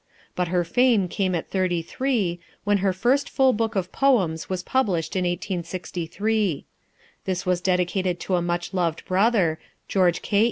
But her fame came at thirty three, when her first full book of Poems was published in 1863. This was dedicated to a much loved brother, George K.